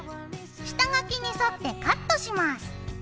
下書きに沿ってカットします。